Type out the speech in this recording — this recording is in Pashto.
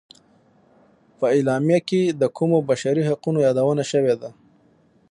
په اعلامیه کې د کومو بشري حقونو یادونه شوې ده.